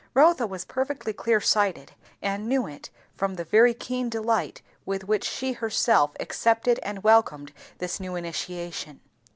Rotha was perfectly clear sighted, and knew it, from the very keen delight with which she herself accepted and welcomed this new initiation.